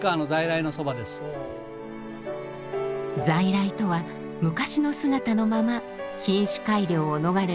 「在来」とは昔の姿のまま品種改良を逃れ